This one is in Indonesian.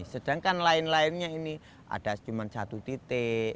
sedangkan lain lainnya ini ada cuma satu titik